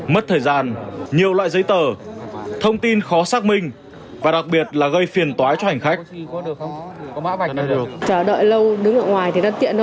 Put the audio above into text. mất thời gian nhiều loại giấy tờ thông tin khó xác minh và đặc biệt là gây phiền tói cho hành khách